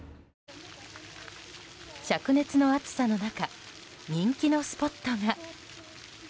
灼熱の暑さの中人気のスポットが。